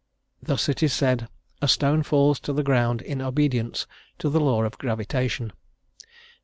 Thus it is said "a stone falls to the ground in obedience to the law of gravitation."